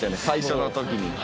最初の時に。